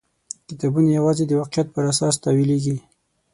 کتابونه یوازې د واقعیت پر اساس تاویلېږي.